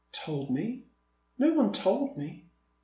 107 " Told me ? No one told me.